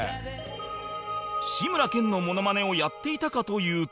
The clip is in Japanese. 志村けんのモノマネをやっていたかというと